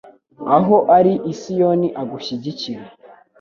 aho ari i Siyoni agushyigikire